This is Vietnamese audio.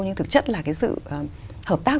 nhưng thực chất là cái sự hợp tác